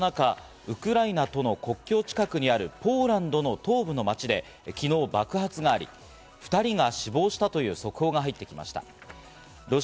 ただそんな中、ウクライナとの国境近くにあるポーランドの東部の街で昨日、爆発があり、２人が死亡したという速報が入ってきました。